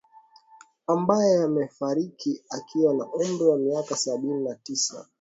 ambaye amefariki akiwa na umri wa miaka sabini na tisa